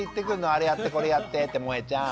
あれやってこれやってってもえちゃん。